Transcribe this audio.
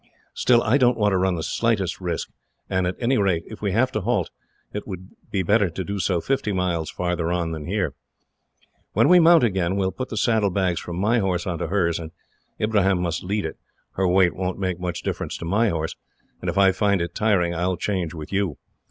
Still, I don't want to run the slightest risk, and at any rate, if we have to halt, it would be better to do so fifty miles farther on than here. "When we mount again, we will put the saddlebags from my horse on to hers, and Ibrahim must lead it. Her weight won't make much difference to my horse, and if I find it tiring, I will change with you.